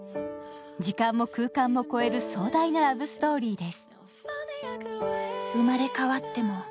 時間も空間も超える壮大なラブストーリーです。